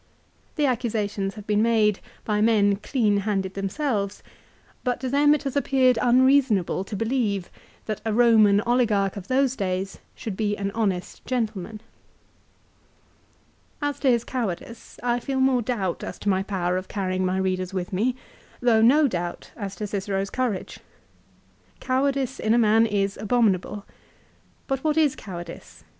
The accusations have been made by men clean handed themselves ; but to them it has appeared unreasonable to believe that a Roman oligarch of those days should be an honest gentleman. As to his cowardice I feel more doubt as to my power of carrying my readers with me, though no doubt as to Cicero's courage. Cowardice in a man is abominable. But what is cowardice ?